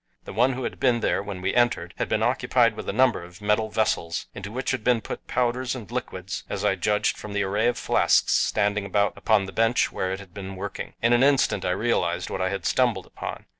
The one who had been there when we entered had been occupied with a number of metal vessels, into which had been put powders and liquids as I judged from the array of flasks standing about upon the bench where it had been working. In an instant I realized what I had stumbled upon.